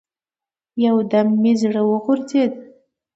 يو دم مې زړه وغورځېد.